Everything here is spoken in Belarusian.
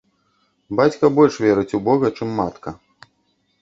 Бацька больш верыць у бога, чым матка.